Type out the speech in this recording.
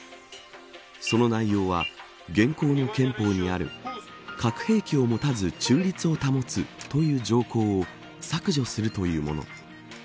その内容は、現行の憲法にある核兵器を持たず中立を保つという条項を削除するというもの。